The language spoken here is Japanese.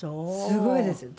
すごいですよ。